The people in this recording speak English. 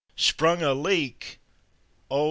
sprung n leak!" Oh!